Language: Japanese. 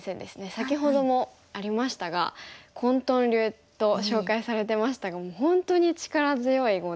先ほどもありましたが混沌流と紹介されてましたがもう本当に力強い碁で。